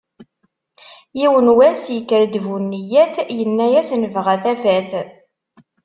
Yiwen n wass yekker-d bu nniyat, yenna-as nebγa tafat.